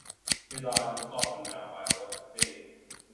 His eyes were softened now by a look of pity.